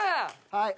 はい。